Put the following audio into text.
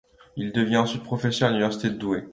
Il devint ensuite professeur à l'Université de Douai.